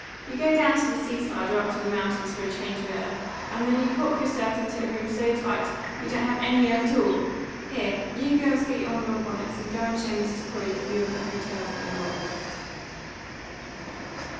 You go down to the sea side or up to the mountains for a change of air, and then you cork yourselves into a room so tight you don't have any air at all. Here! You girls get on your bonnets, and go and show Mr. Corey the view of the hotels from the rocks."